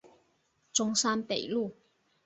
中山北路